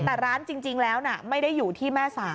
แต่ร้านจริงแล้วไม่ได้อยู่ที่แม่สา